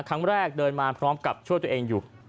ครั้งแรกเดินมาพร้อมกับช่วยตัวเองอยู่